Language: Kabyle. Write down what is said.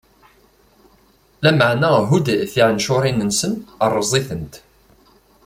Lameɛna hudd tiɛencuṛin-nsen, rreẓ-itent.